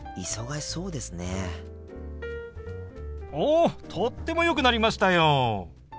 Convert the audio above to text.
おとってもよくなりましたよ！